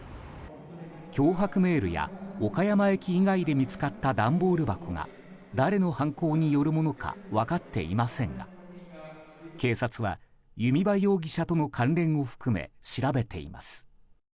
脅迫メールや、岡山駅以外で見つかった段ボール箱が誰の犯行によるものか分かっていませんが警察は弓場容疑者との関連を含め調べています。